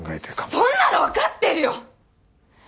そんなの分かってるよ！